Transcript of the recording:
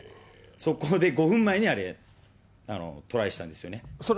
そこで５分前にトライしたんですそれ、